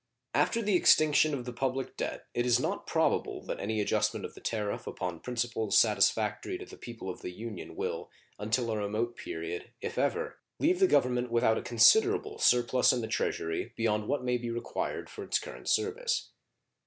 After the extinction of the public debt it is not probable that any adjustment of the tariff upon principles satisfactory to the people of the Union will until a remote period, if ever, leave the Government without a considerable surplus in the Treasury beyond what may be required for its current service.